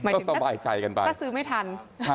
หมายถึงก็ซื้อไม่ทัน